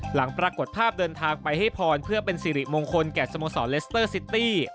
หลังปรากฏภาพเดินทางไปให้พรเพื่อเป็นสิริมงคลแก่สโมสรเลสเตอร์ซิตี้